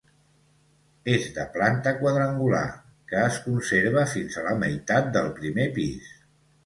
És de planta quadrangular, que es conserva fins a la meitat del primer pis.